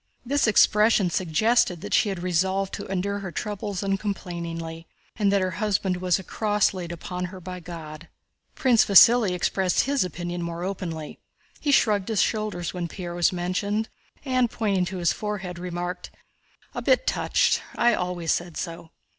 This expression suggested that she had resolved to endure her troubles uncomplainingly and that her husband was a cross laid upon her by God. Prince Vasíli expressed his opinion more openly. He shrugged his shoulders when Pierre was mentioned and, pointing to his forehead, remarked: "A bit touched—I always said so."